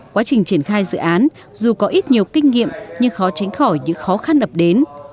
quá trình triển khai dự án dù có ít nhiều kinh nghiệm nhưng khó tránh khỏi những khó khăn ập đến